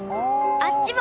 あっちも！